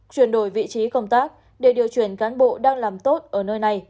chuyển đổi vị trí công tác để điều chuyển cán bộ đang làm tốt ở nơi này